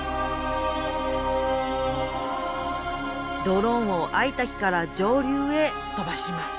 ドローンをＩ滝から上流へ飛ばします。